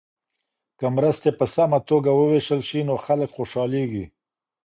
که مرستې په سمه توګه وویشل سي نو خلک خوشحالیږي.